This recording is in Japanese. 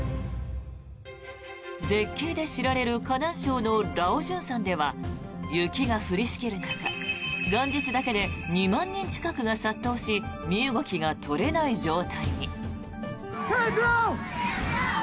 絶景で知られる河南省のラオジュン山では雪が降りしきる中元日だけで２万人近くが殺到し身動きが取れない状態に。